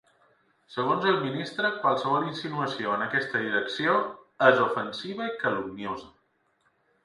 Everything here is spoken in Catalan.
Segons el ministre qualsevol insinuació en aquesta direcció ‘és ofensiva’ i ‘calumniosa’.